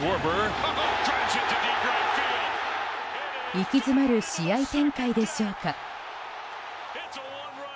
息詰まる試合展開でしょうか。